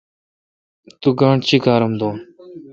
تو گاݨڈ چیکار ام دو۔